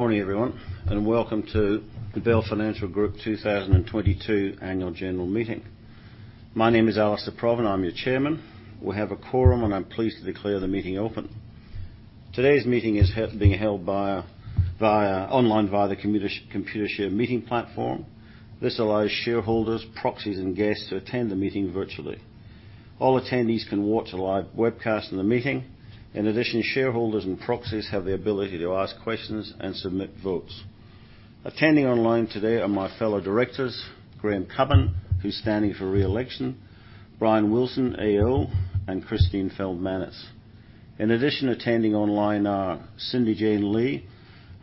Morning, everyone, and welcome to the Bell Financial Group 2022 Annual General Meeting. My name is Alastair Provan, I'm your chairman. We have a quorum, and I'm pleased to declare the meeting open. Today's meeting is being held online via the Computershare meeting platform. This allows shareholders, proxies, and guests to attend the meeting virtually. All attendees can watch a live webcast of the meeting. In addition, shareholders and proxies have the ability to ask questions and submit votes. Attending online today are my fellow directors, Graham Cubbin, who's standing for re-election, Brian Wilson AO, and Christine Feldmanis. In addition, attending online are Cindy-Jane Lee,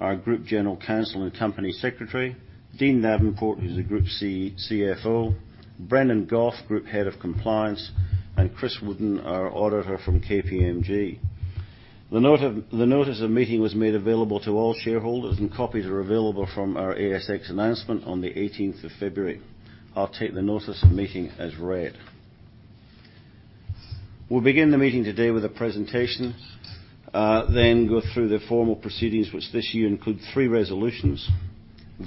our Group General Counsel and Company Secretary, Dean Davenport, who's the Group CFO, Brendan Goff, Group Head of Compliance, and Chris Wooden, our auditor from KPMG. The notice of meeting was made available to all shareholders, and copies are available from our ASX announcement on the eighteenth of February. I'll take the notice of meeting as read. We'll begin the meeting today with a presentation, then go through the formal proceedings, which this year include three resolutions.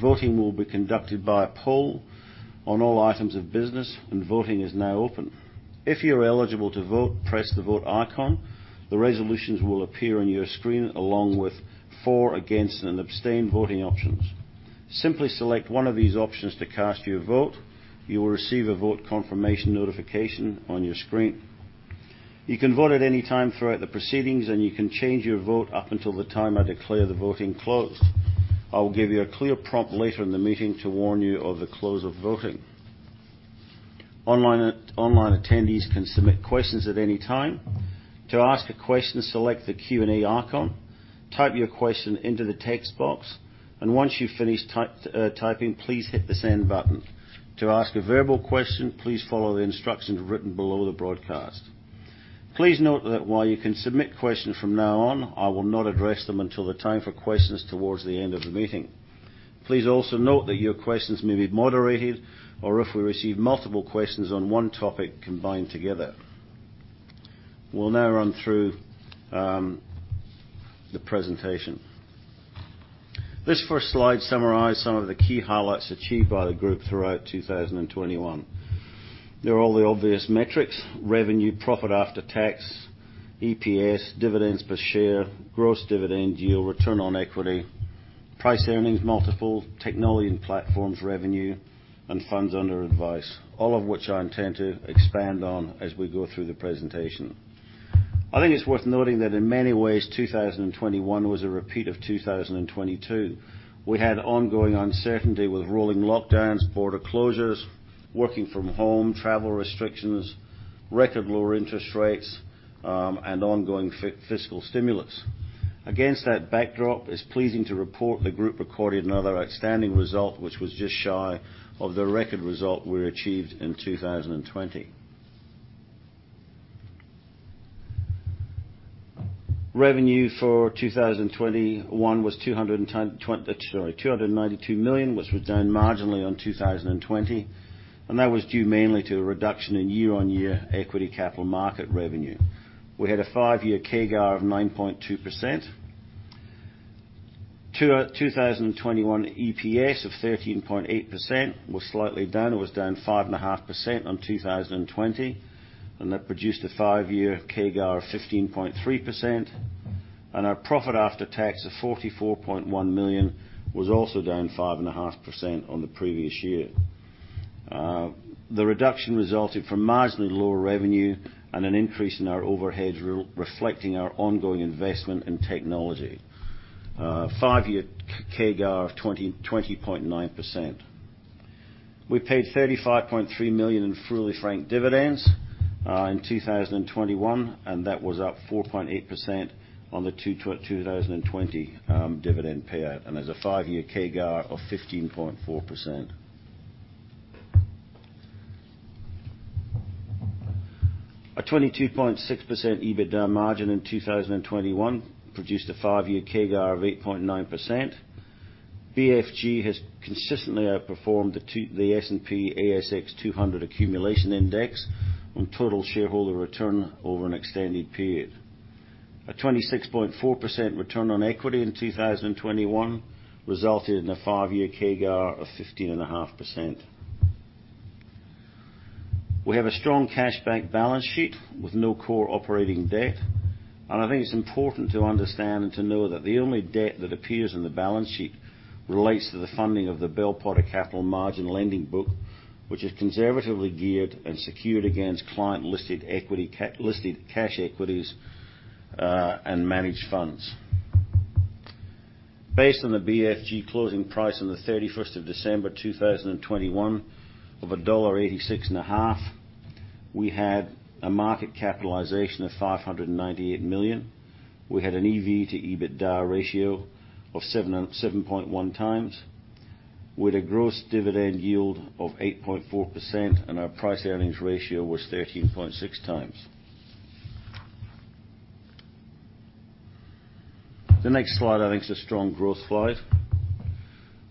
Voting will be conducted by a poll on all items of business, and voting is now open. If you're eligible to vote, press the Vote icon. The resolutions will appear on your screen, along with for, against, and abstain voting options. Simply select one of these options to cast your vote. You will receive a vote confirmation notification on your screen. You can vote at any time throughout the proceedings, and you can change your vote up until the time I declare the voting closed. I will give you a clear prompt later in the meeting to warn you of the close of voting. Online attendees can submit questions at any time. To ask a question, select the Q&A icon, type your question into the text box, and once you've finished type, typing, please hit the Send button. To ask a verbal question, please follow the instructions written below the broadcast. Please note that while you can submit questions from now on, I will not address them until the time for questions towards the end of the meeting. Please also note that your questions may be moderated, or if we receive multiple questions on one topic, combined together. We'll now run through the presentation. This first slide summarizes some of the key highlights achieved by the group throughout 2021. They're all the obvious metrics: revenue, profit after tax, EPS, dividends per share, gross dividend yield, return on equity, price earnings multiple, technology and platforms revenue, and funds under advice, all of which I intend to expand on as we go through the presentation. I think it's worth noting that in many ways, 2021 was a repeat of 2022. We had ongoing uncertainty with rolling lockdowns, border closures, working from home, travel restrictions, record lower interest rates, and ongoing fiscal stimulus. Against that backdrop, it's pleasing to report the group recorded another outstanding result, which was just shy of the record result we achieved in 2020. Revenue for 2021 was 210, twenty. Sorry, 292 million, which was down marginally on 2020, and that was due mainly to a reduction in year-on-year equity capital market revenue. We had a five-year CAGR of 9.2%. 2021 EPS of 13.8% was slightly down. It was down 5.5% on 2020, and that produced a five-year CAGR of 15.3%. Our profit after tax of 44.1 million was also down 5.5% on the previous year. The reduction resulted from marginally lower revenue and an increase in our overheads reflecting our ongoing investment in technology. 5-year CAGR of 20.9%. We paid 35.3 million in fully franked dividends in 2021, and that was up 4.8% on the 2020 dividend payout, and there's a five-year CAGR of 15.4%. A 22.6% EBITDA margin in 2021 produced a five-year CAGR of 8.9%. BFG has consistently outperformed the S&P/ASX 200 Accumulation Index on total shareholder return over an extended period. A 26.4% return on equity in 2021 resulted in a five-year CAGR of 15.5%. We have a strong cash-backed balance sheet with no core operating debt, and I think it's important to understand and to know that the only debt that appears on the balance sheet relates to the funding of the Bell Potter Capital Margin Lending book, which is conservatively geared and secured against client-listed cash equities and managed funds. Based on the BFG closing price on the 31st December 2021 of dollar 1.865, we had a market capitalization of 598 million. We had an EV to EBITDA ratio of 7.1x. We had a gross dividend yield of 8.4%, and our price-earnings ratio was 13.6x. The next slide, I think, is a strong growth slide.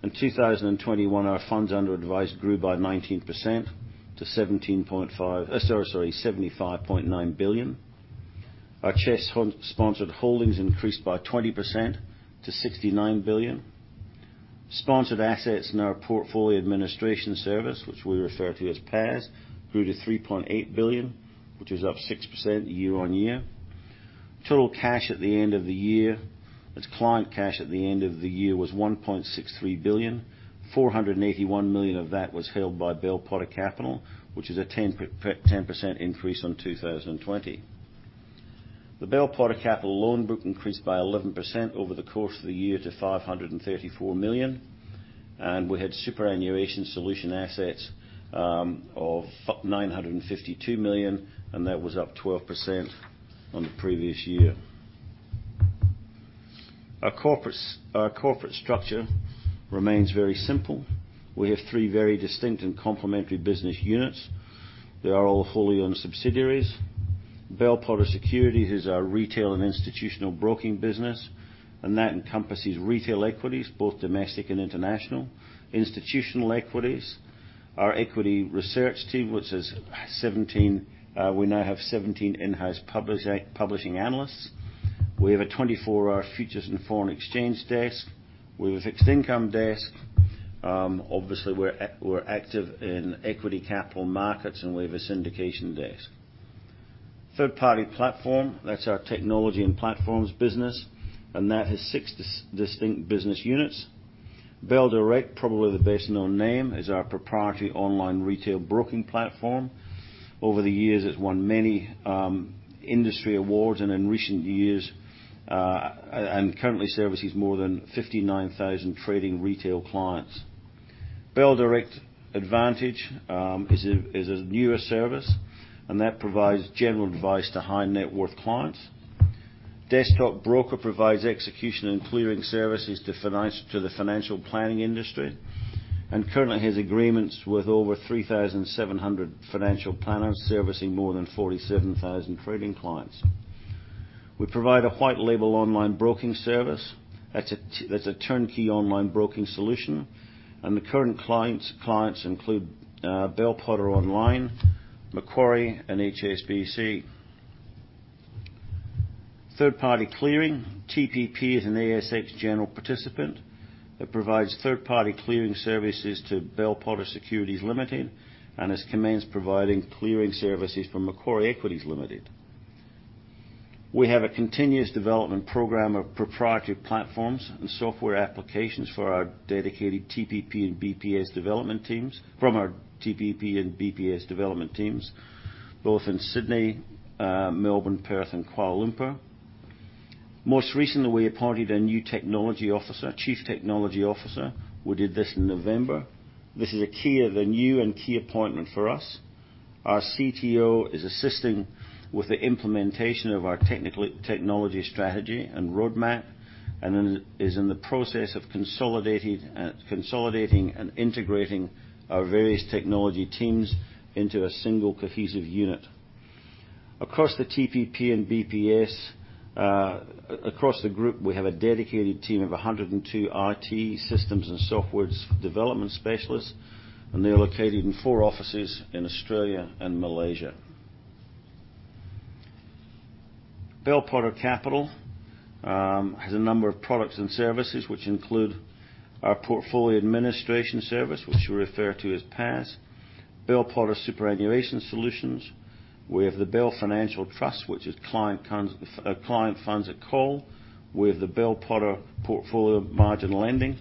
In 2021, our funds under advice grew by 19% to 75.9 billion. Our CHESS-sponsored holdings increased by 20% to 69 billion. Sponsored assets in our Portfolio Administration Service, which we refer to as PAS, grew to 3.8 billion, which is up 6% year-on-year. Total client cash at the end of the year was 1.63 billion. 481 million of that was held by Bell Potter Capital, which is a 10% increase on 2020. The Bell Potter Capital loan book increased by 11% over the course of the year to 534 million, and we had superannuation solution assets of 952 million, and that was up 12% on the previous year. Our corporate structure remains very simple. We have three very distinct and complementary business units. They are all fully owned subsidiaries. Bell Potter Securities is our retail and institutional broking business, and that encompasses retail equities, both domestic and international. Institutional equities. Our equity research team, which now has 17 in-house publishing analysts. We have a 24-hour futures and foreign exchange desk. We have a fixed income desk. Obviously, we're active in equity capital markets, and we have a syndication desk. Third-party platform, that's our technology and platforms business, and that has six distinct business units. Bell Direct, probably the best-known name, is our proprietary online retail broking platform. Over the years, it's won many industry awards, and in recent years and currently services more than 59,000 trading retail clients. Bell Direct Advantage is a newer service, and that provides general advice to high-net-worth clients. Desktop Broker provides execution and clearing services to the financial planning industry, and currently has agreements with over 3,700 financial planners servicing more than 47,000 trading clients. We provide a white label online broking service. That's a turnkey online broking solution, and the current clients include Bell Potter Online, Macquarie, and HSBC. Third-party clearing. TPP is an ASX general participant that provides third-party clearing services to Bell Potter Securities Limited and has commenced providing clearing services for Macquarie Equities Limited. We have a continuous development program of proprietary platforms and software applications for our dedicated TPP and BPS development teams, from our TPP and BPS development teams, both in Sydney, Melbourne, Perth, and Kuala Lumpur. Most recently, we appointed a new technology officer, Chief Technology Officer, who did this in November. This is a new and key appointment for us. Our CTO is assisting with the implementation of our technology strategy and roadmap and is in the process of consolidating and integrating our various technology teams into a single cohesive unit. Across the TPP and BPS, across the group, we have a dedicated team of 102 IT systems and software development specialists, and they're located in four offices in Australia and Malaysia. Bell Potter Capital has a number of products and services, which include our Portfolio Administration Service, which we refer to as PAS. Bell Potter Super Solutions. We have the Bell Financial Trust, which is client funds at call. We have the Bell Potter Portfolio Lending.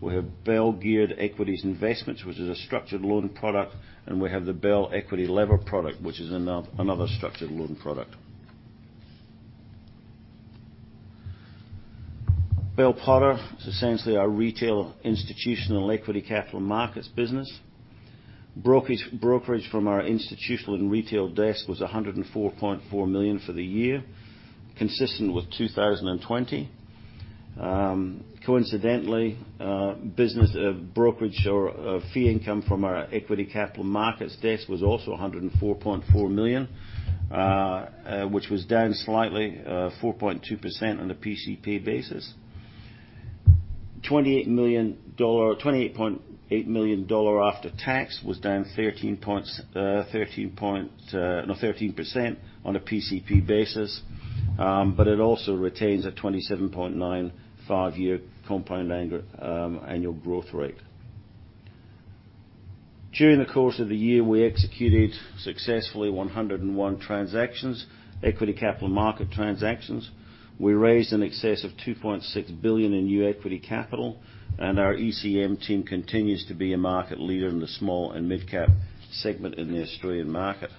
We have Bell Geared Equities Investment, which is a structured loan product, and we have the Bell Equity Lever product, which is another structured loan product. Bell Potter is essentially our retail institutional equity capital markets business. Brokerage from our institutional and retail desk was 104.4 million for the year, consistent with 2020. Coincidentally, business brokerage or fee income from our equity capital markets desk was also 104.4 million, which was down slightly 4.2% on a PCP basis. AUD 28.8 million after tax was down 13% on a PCP basis, but it also retains a 27.9% five-year compound annual growth rate. During the course of the year, we executed successfully 101 transactions, equity capital market transactions. We raised in excess of 2.6 billion in new equity capital, and our ECM team continues to be a market leader in the small and midcap segment in the Australian market.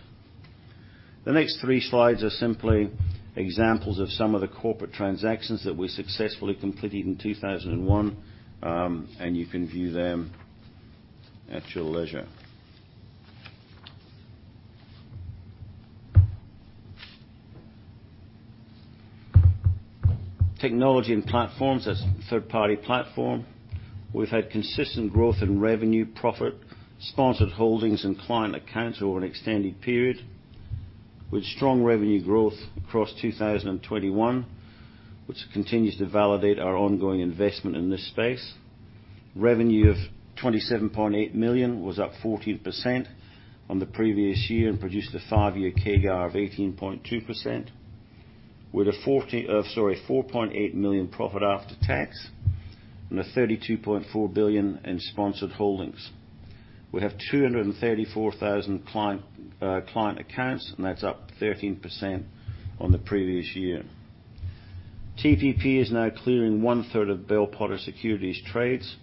The next three slides are simply examples of some of the corporate transactions that we successfully completed in 2001, and you can view them at your leisure. Technology and platforms. That's third-party platform. We've had consistent growth in revenue, profit, sponsored holdings and client accounts over an extended period. With strong revenue growth across 2021, which continues to validate our ongoing investment in this space. Revenue of 27.8 million was up 14% on the previous year and produced a five-year CAGR of 18.2% with a 4.8 million profit after tax and a 32.4 billion in sponsored holdings. We have 234,000 client accounts, and that's up 13% on the previous year. TPP is now clearing 1/3 of Bell Potter Securities trades,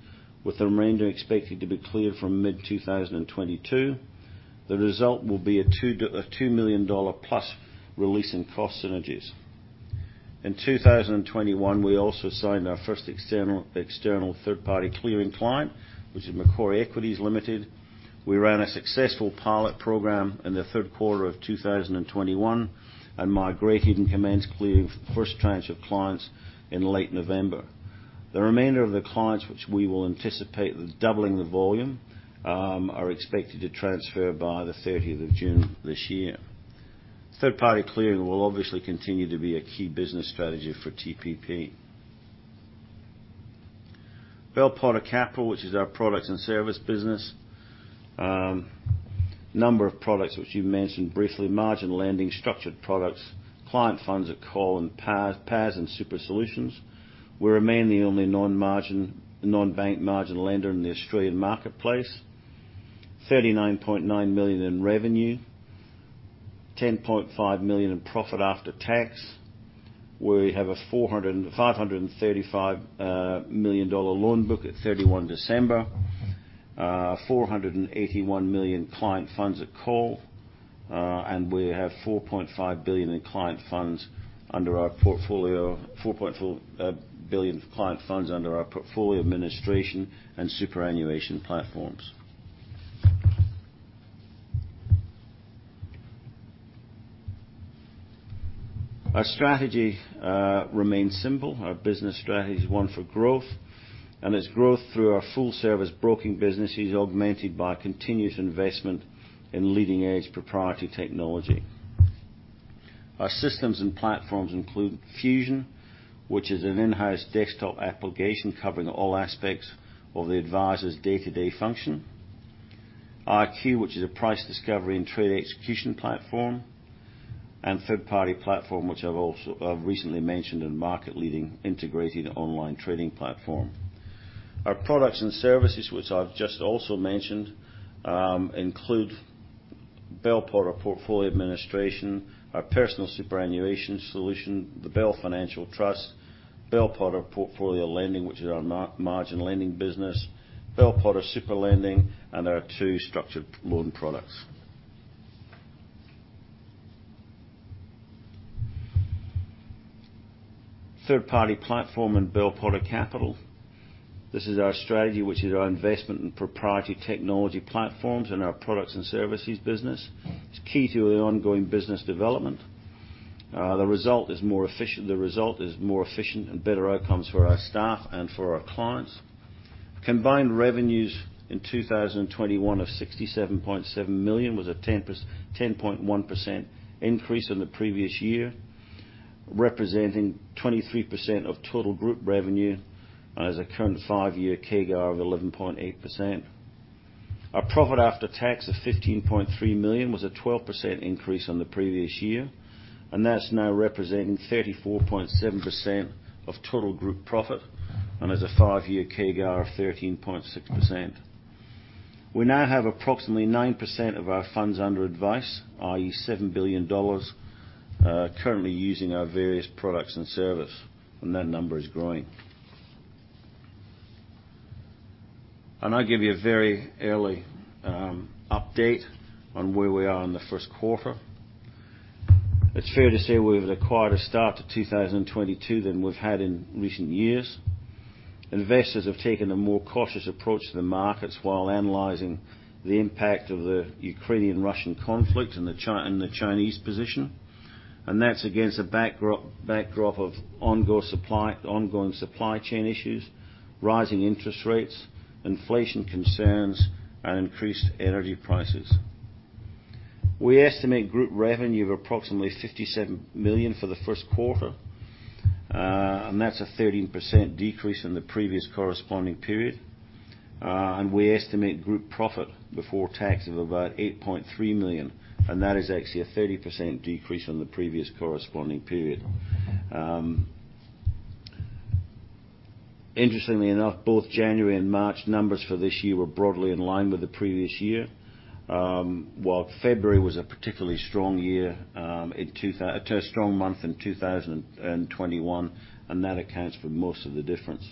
with the remainder expected to be cleared from mid-2022. The result will be a 2 million dollar plus release in cost synergies. In 2021, we also signed our first external third-party clearing client, which is Macquarie Equities Limited. We ran a successful pilot program in the third quarter of 2021 and migration commenced clearing first tranche of clients in late November. The remainder of the clients, which we will anticipate with doubling the volume, are expected to transfer by the thirtieth of June this year. Third-party clearing will obviously continue to be a key business strategy for TPP. Bell Potter Capital, which is our products and service business. Number of products which you mentioned briefly, margin lending, structured products, client funds at call and PAS and Super Solutions. We remain the only non-bank margin lender in the Australian marketplace. 39.9 million in revenue, 10.5 million in profit after tax. We have a 455 million dollar loan book at 31 December. 481 million client funds at call, and we have 4.5 billion in client funds under our portfolio, 4.4 billion of client funds under our portfolio administration and superannuation platforms. Our strategy remains simple. Our business strategy is one for growth, and it's growth through our full-service broking businesses augmented by continuous investment in leading-edge proprietary technology. Our systems and platforms include Fusion, which is an in-house desktop application covering all aspects of the advisor's day-to-day function. IQ, which is a price discovery and trade execution platform, and third-party platform, which I've also recently mentioned, and market-leading integrated online trading platform. Our products and services, which I've just also mentioned, include Bell Potter Portfolio Administration, our personal superannuation solution, the Bell Financial Trust, Bell Potter Portfolio Lending, which is our margin lending business, Bell Potter Super Lending, and our two structured loan products. Third-party platform and Bell Potter Capital. This is our strategy, which is our investment in proprietary technology platforms and our products and services business. It's key to our ongoing business development. The result is more efficient and better outcomes for our staff and for our clients. Combined revenues in 2021 of 67.7 million was a 10.1% increase on the previous year, representing 23% of total group revenue and has a current five-year CAGR of 11.8%. Our profit after tax of 15.3 million was a 12% increase on the previous year, and that's now representing 34.7% of total group profit and has a five-year CAGR of 13.6%. We now have approximately 9% of our funds under advice, i.e., 7 billion dollars, currently using our various products and service, and that number is growing. I'll give you a very early update on where we are in the first quarter. It's fair to say we have a quieter start to 2022 than we've had in recent years. Investors have taken a more cautious approach to the markets while analyzing the impact of the Ukrainian-Russian conflict and the Chinese position, and that's against a backdrop of ongoing supply chain issues, rising interest rates, inflation concerns, and increased energy prices. We estimate group revenue of approximately 57 million for the first quarter, and that's a 13% decrease in the previous corresponding period. We estimate group profit before tax of about 8.3 million, and that is actually a 30% decrease on the previous corresponding period. Interestingly enough, both January and March numbers for this year were broadly in line with the previous year, while February was a particularly strong month in 2021, and that accounts for most of the difference.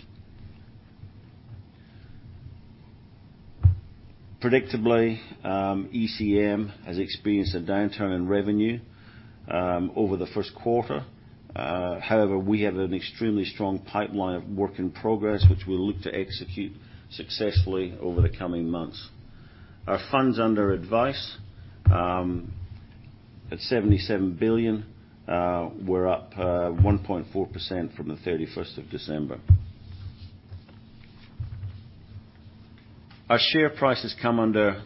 Predictably, ECM has experienced a downturn in revenue over the first quarter. However, we have an extremely strong pipeline of work in progress, which we'll look to execute successfully over the coming months. Our funds under advice at 77 billion, we're up 1.4% from 31st December. Our share price has come under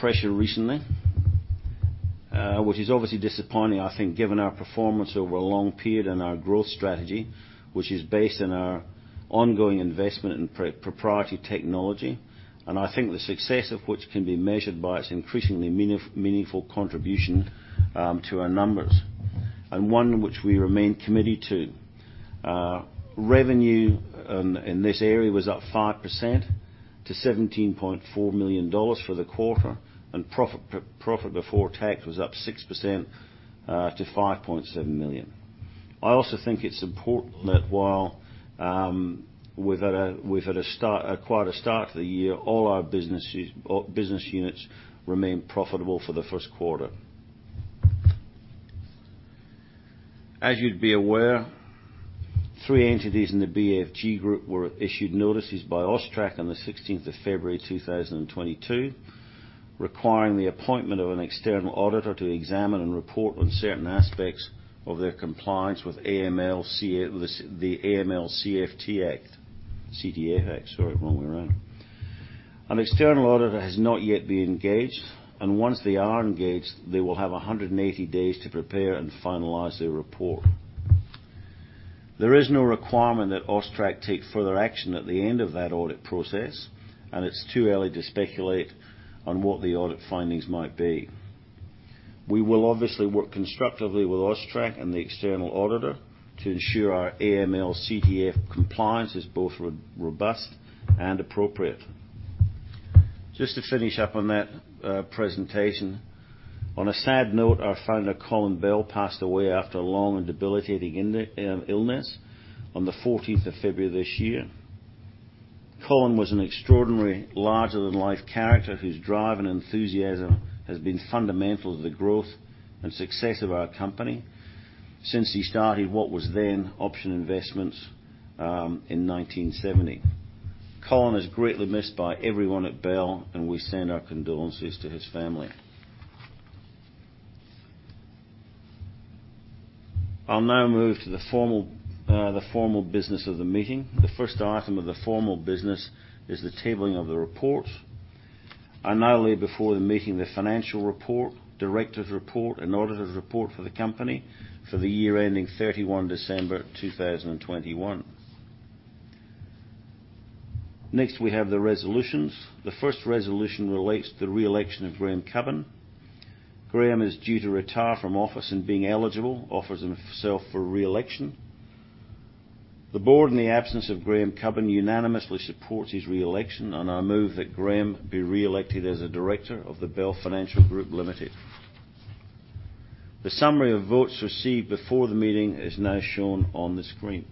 pressure recently, which is obviously disappointing, I think, given our performance over a long period and our growth strategy, which is based on our ongoing investment in proprietary technology, and I think the success of which can be measured by its increasingly meaningful contribution to our numbers, and one which we remain committed to. Revenue in this area was up 5% to 17.4 million dollars for the quarter, and profit before tax was up 6% to 5.7 million. I also think it's important that while we've had quite a start to the year, all our businesses or business units remain profitable for the first quarter. As you'd be aware, three entities in the BFG group were issued notices by AUSTRAC on the sixteenth of February, 2022, requiring the appointment of an external auditor to examine and report on certain aspects of their compliance with the AML/CTF Act. An external auditor has not yet been engaged, and once they are engaged, they will have 180 days to prepare and finalize their report. There is no requirement that AUSTRAC take further action at the end of that audit process, and it's too early to speculate on what the audit findings might be. We will obviously work constructively with AUSTRAC and the external auditor to ensure our AML/CTF compliance is both robust and appropriate. Just to finish up on that presentation. On a sad note, our founder, Colin Bell, passed away after a long and debilitating illness on the fourteenth of February this year. Colin was an extraordinary, larger than life character whose drive and enthusiasm has been fundamental to the growth and success of our company since he started what was then Option Investments in 1970. Colin is greatly missed by everyone at Bell, and we send our condolences to his family. I'll now move to the formal business of the meeting. The first item of the formal business is the tabling of the report. I now lay before the meeting the financial report, directors' report, and auditors' report for the company for the year ending 31 December 2021. Next, we have the resolutions. The first resolution relates to the reelection of Graham Cubbin. Graham is due to retire from office and being eligible offers himself for reelection. The board, in the absence of Graham Cubbin, unanimously supports his reelection, and I move that Graham be reelected as a director of the Bell Financial Group Limited. The summary of votes received before the meeting is now shown on the screen.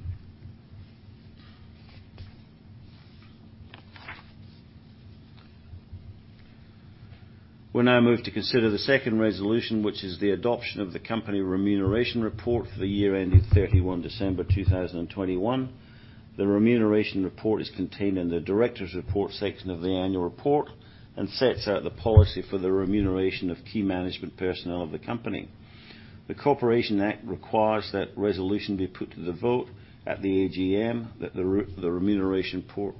We now move to consider the second resolution, which is the adoption of the company remuneration report for the year ending 31 December 2021. The remuneration report is contained in the directors' report section of the annual report and sets out the policy for the remuneration of key management personnel of the company. The Corporations Act requires that resolution be put to the vote at the AGM that the remuneration report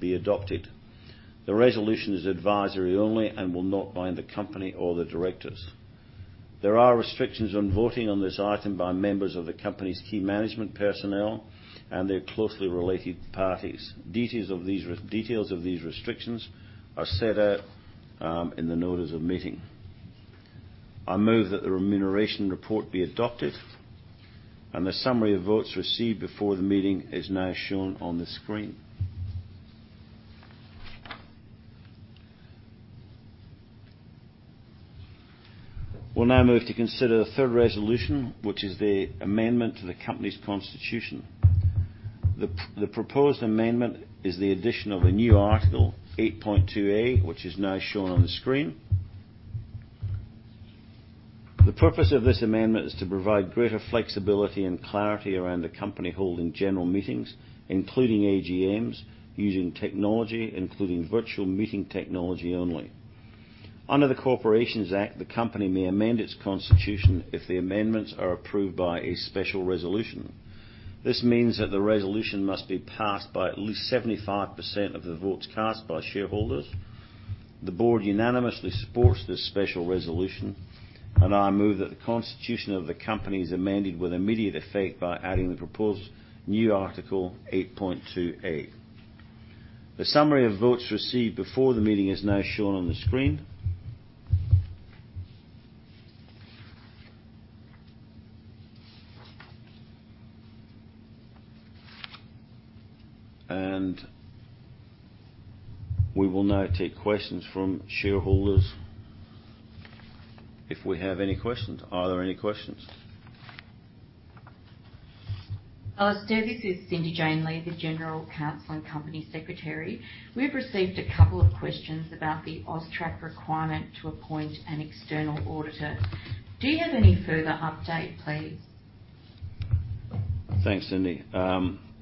be adopted. The resolution is advisory only and will not bind the company or the directors. There are restrictions on voting on this item by members of the company's key management personnel and their closely related parties. Details of these restrictions are set out in the notice of meeting. I move that the remuneration report be adopted and the summary of votes received before the meeting is now shown on the screen. We'll now move to consider the third resolution, which is the amendment to the company's constitution. The proposed amendment is the addition of a new article, 8.2A, which is now shown on the screen. The purpose of this amendment is to provide greater flexibility and clarity around the company holding general meetings, including AGMs, using technology, including virtual meeting technology only. Under the Corporations Act, the company may amend its constitution if the amendments are approved by a special resolution. This means that the resolution must be passed by at least 75% of the votes cast by shareholders. The board unanimously supports this special resolution, and I move that the constitution of the company is amended with immediate effect by adding the proposed new article 8.2A. The summary of votes received before the meeting is now shown on the screen. We will now take questions from shareholders if we have any questions. Are there any questions? Oh, this is Cindy-Jane Lee, the General Counsel and Company Secretary. We've received a couple of questions about the AUSTRAC requirement to appoint an external auditor. Do you have any further update, please? Thanks, Cindy.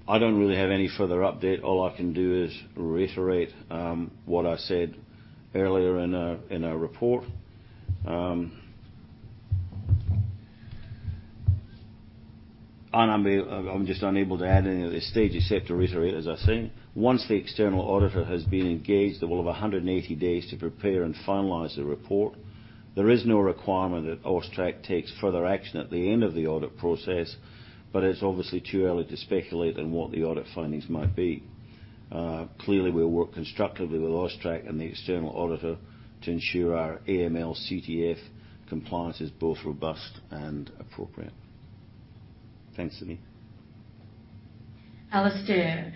I don't really have any further update. All I can do is reiterate what I said earlier in our report. I'm just unable to add any at this stage, except to reiterate, as I said, once the external auditor has been engaged, they will have 180 days to prepare and finalize the report. There is no requirement that AUSTRAC takes further action at the end of the audit process, but it's obviously too early to speculate on what the audit findings might be. Clearly, we'll work constructively with AUSTRAC and the external auditor to ensure our AML/CTF compliance is both robust and appropriate. Thanks, Cindy. Alastair,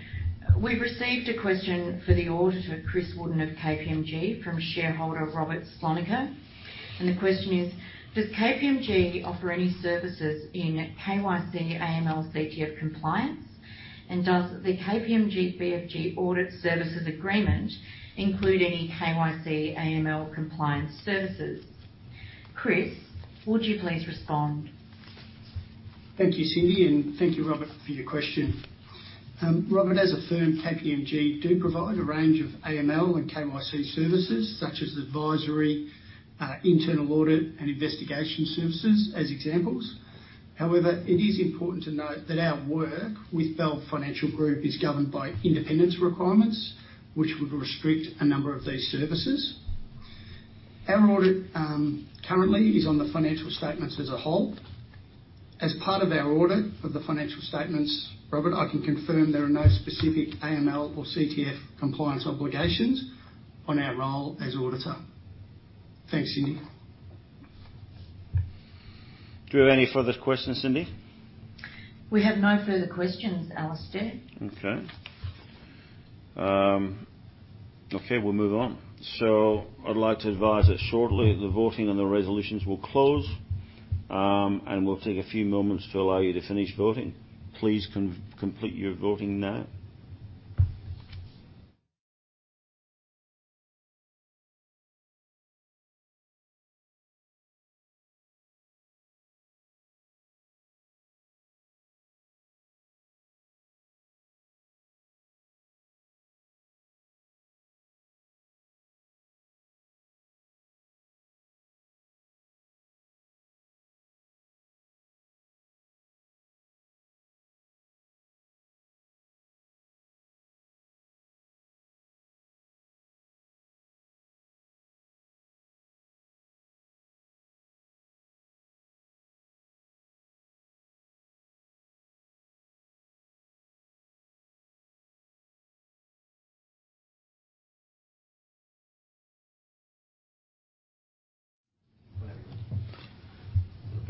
we've received a question for the auditor, Chris Wooden of KPMG, from shareholder Robert Sloniker. The question is: Does KPMG offer any services in KYC, AML, CTF compliance? Does the KPMG BFG audit services agreement include any KYC, AML compliance services? Chris, would you please respond? Thank you, Cindy, and thank you, Robert, for your question. Robert, as a firm, KPMG do provide a range of AML and KYC services such as advisory, internal audit, and investigation services, as examples. However, it is important to note that our work with Bell Financial Group is governed by independence requirements, which would restrict a number of these services. Our audit, currently is on the financial statements as a whole. As part of our audit of the financial statements, Robert, I can confirm there are no specific AML or CTF compliance obligations on our role as auditor. Thanks, Cindy. Do you have any further questions, Cindy? We have no further questions, Alastair. Okay, we'll move on. I'd like to advise that shortly the voting on the resolutions will close, and we'll take a few moments to allow you to finish voting. Please complete your voting now.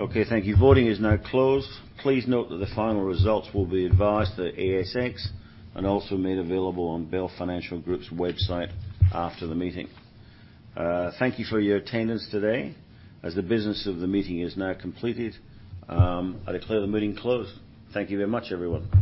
Okay, thank you. Voting is now closed. Please note that the final results will be advised to ASX and also made available on Bell Financial Group's website after the meeting. Thank you for your attendance today. As the business of the meeting is now completed, I declare the meeting closed. Thank you very much, everyone.